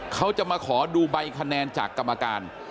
เขาจะมาขอดูใบคะแนนจากกรรมการ